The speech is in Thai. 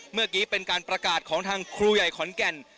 เมื่อกี้เป็นการประกาศของทางครูใหญ่ขอนแก่น